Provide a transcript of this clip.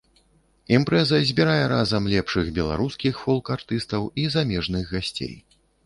Імпрэза збірае разам лепшых беларускіх фолк-артыстаў і замежных гасцей.